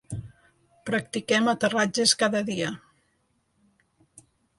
Practiquem aterratges cada dia.